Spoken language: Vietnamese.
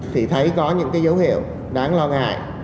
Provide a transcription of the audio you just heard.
thì thấy có những dấu hiệu đáng lo ngại